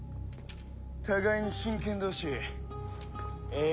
互いに真剣同士ええ